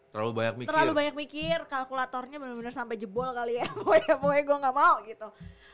terlalu banyak terlalu banyak mikir kalkulatornya bener bener sampai jebol kali ya pokoknya gue gak mau gitu